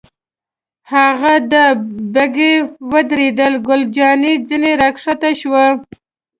هاغه ده، بګۍ ودرېدل، ګل جانې ځنې را کښته شوه.